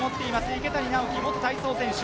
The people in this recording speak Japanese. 池谷直樹、元体操選手。